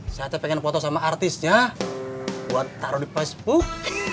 saya pengen foto sama artisnya buat taruh di facebook